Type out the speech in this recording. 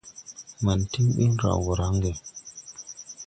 Man tiŋ ɓin raw gɔ raŋge su.